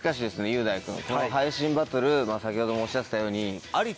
雄大君この配信バトル先ほどもおっしゃってたように。